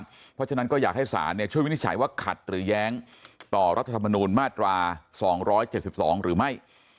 เพราะฉะนั้นก็อยากให้ศาลช่วยวินิจฉัยว่าขัดหรือแย้งต่อรัฐธรรมนูญมาตรา๒๗๒หรือไม่